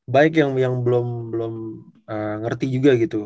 baik yang belum ngerti juga gitu